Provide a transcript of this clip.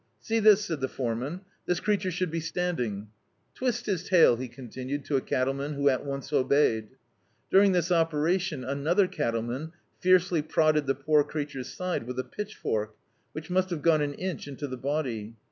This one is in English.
"See this," said the foreman, "this creature should be standing. Twist his tail," he continued, to a cattleman, who at once obeyed. During this operation another cattleman fiercely prodded the poor creature's side with a pitdifork, which must have gone an inch into the body.